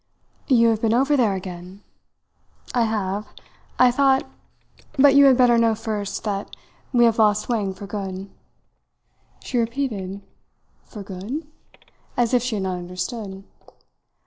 "You have been over there again?" "I have. I thought but you had better know first that we have lost Wang for good." She repeated "For good?" as if she had not understood.